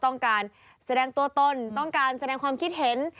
ต้องการแสดงตัวตนต้องการแสดงความคิดเห็น